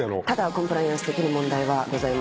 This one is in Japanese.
コンプライアンス的に問題はございません。